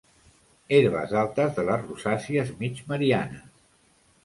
Herbes altes de les rosàcies mig marianes.